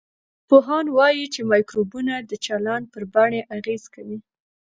ساینسپوهان وايي چې مایکروبونه د چلند پر بڼې اغېز کوي.